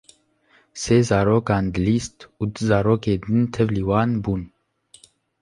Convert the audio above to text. Sê zarokan dilîst û du zarokên din tevlî wan bûn.